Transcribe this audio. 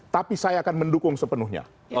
tapi saya akan mendukung sepenuhnya